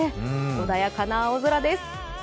穏やかな青空です。